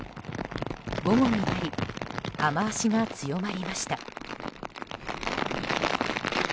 午後になり雨脚が強まりました。